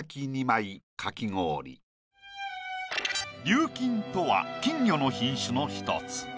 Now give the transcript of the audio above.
「琉金」とは金魚の品種の１つ。